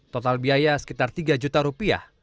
total biaya sekitar tiga juta rupiah